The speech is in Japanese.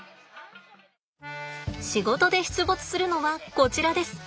仕事で出没するのはこちらです。